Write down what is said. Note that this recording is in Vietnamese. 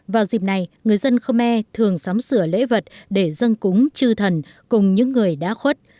vào dịp này người dân khmer thường sắm sửa lễ vật để dân cúng chư thần cùng những người đã khuất